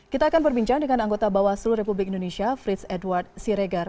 kita akan berbincang dengan anggota bawaslu republik indonesia frits edward siregar